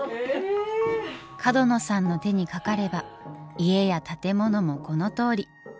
角野さんの手にかかれば家や建物もこのとおり。